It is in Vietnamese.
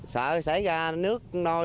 sợ xảy ra nước nôi